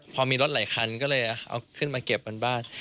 พอมีรถหลายคันก็เลยเอาขึ้นมาเก็บบนบ้าน